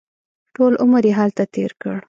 ټول عمر یې هلته تېر کړ.